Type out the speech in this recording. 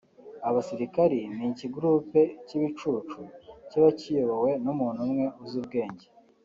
abasirikali ni ikigroupe cy’ibicucu kiba kiyobowe n’umuntu umwe uzi ubwenge